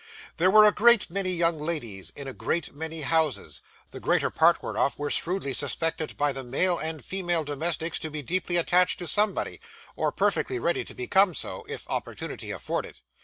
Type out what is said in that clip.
There were a great many young ladies in a great many houses, the greater part whereof were shrewdly suspected by the male and female domestics to be deeply attached to somebody, or perfectly ready to become so, if opportunity afforded.